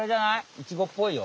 イチゴっぽいよ？